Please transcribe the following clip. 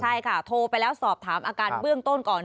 ใช่ค่ะโทรไปแล้วสอบถามอาการเบื้องต้นก่อน